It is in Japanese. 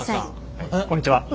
こんにちは。